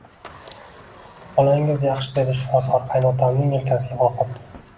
Bolangiz yaxshi dedi shifokor qaynotamning yelkasiga qoqib